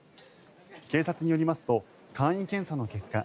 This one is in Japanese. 警察によりますと簡易検査の結果